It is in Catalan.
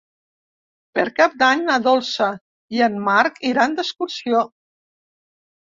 Per Cap d'Any na Dolça i en Marc iran d'excursió.